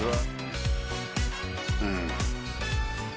「うん」